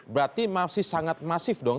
berarti masih sangat masif dong